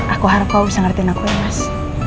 aku harap kau bisa ngertiin aku ya mas